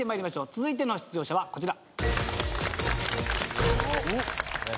続いての出場者はこちら。